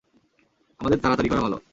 আমাদের তাড়াতাড়ি করা ভাল।